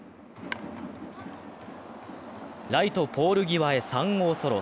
ライトポール際へ３号ソロ。